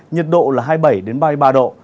nhiệt độ là hai mươi bảy ba mươi ba độ